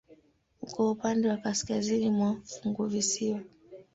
Uko upande wa kaskazini wa funguvisiwa.